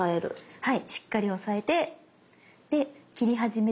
はい。